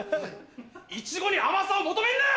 イチゴに甘さを求めんなよ！